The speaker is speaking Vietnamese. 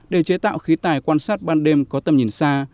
để chế tạo khí tài quan sát ban đêm có tầm nhìn xa